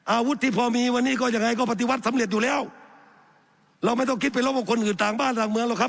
อาวุธที่พอมีวันนี้ก็ยังไงก็ปฏิวัติสำเร็จอยู่แล้วเราไม่ต้องคิดไปรบกับคนอื่นต่างบ้านต่างเมืองหรอกครับ